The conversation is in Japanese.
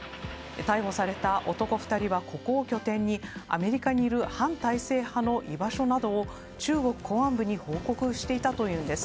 逮捕された男２人はここを拠点にアメリカにいる反体制派の居場所などを中国公安部に報告していたというんです。